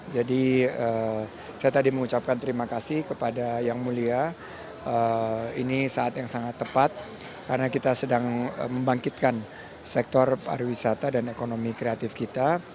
saya tadi mengucapkan terima kasih kepada yang mulia ini saat yang sangat tepat karena kita sedang membangkitkan sektor pariwisata dan ekonomi kreatif kita